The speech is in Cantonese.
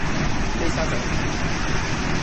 飛砂走奶